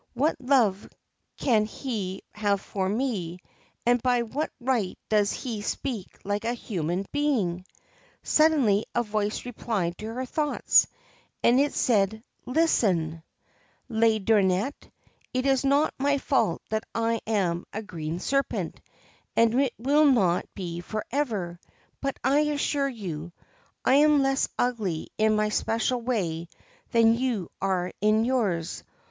What love can he have for me, and by what right does he speak like a human being ?' Suddenly a voice replied to her thoughts, and it said, ' Listen, THE GREEN SERPENT Laideronnette, it is not my fault that I am a Green Serpent ; and it will not be for ever ; but, I assure you, I am less ugly in my special way than you are in yours.